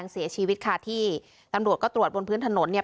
เสียชีวิตค่ะที่ตำรวจก็ตรวจบนพื้นถนนเนี่ย